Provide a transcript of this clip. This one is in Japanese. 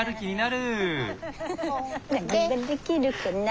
何ができるかな。